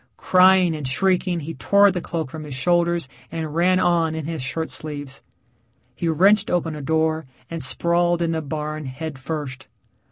Crying and shrieking, he tore the cloak from his shoulders and ran on in his shirt sleeves. He wrenched open a door and sprawled in the barn head first.